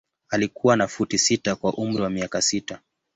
Alikuwa na futi sita kwa umri wa miaka sita.